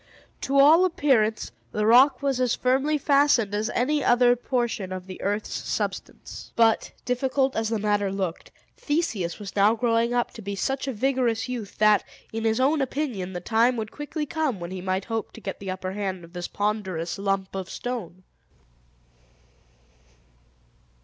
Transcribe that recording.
To all appearance, the rock was as firmly fastened as any other portion of the earth's substance. But, difficult as the matter looked, Theseus was now growing up to be such a vigorous youth, that, in his own opinion, the time would quickly come when he might hope to get the upper hand of this ponderous lump of stone.